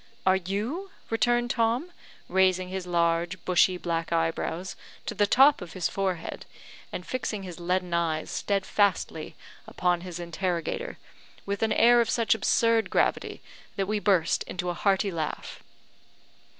"Are you?" returned Tom, raising his large, bushy, black eyebrows to the top of his forehead, and fixing his leaden eyes steadfastly upon his interrogator, with an air of such absurd gravity that we burst into a hearty laugh.